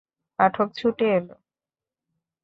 পাঠক ছুটে এল।